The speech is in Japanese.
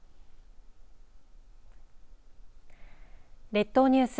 列島ニュース